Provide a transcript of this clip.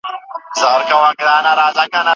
هر څوک کولای شي وخاندې.